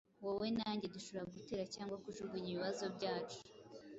Wowe na njye dushobora gutera cyangwa kujugunya ibibazo byacu